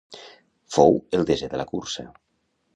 Fou el desè de la cursa.